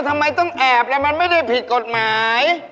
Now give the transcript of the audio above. ทำไมต้องแอบแล้วมันไม่ได้ผิดกฎหมาย